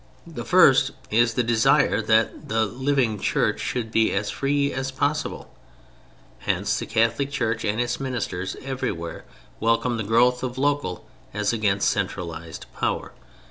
The first is the desire that the living Church should be as free as possible; hence the Catholic Church and its ministers everywhere welcome the growth of local as against centralized power.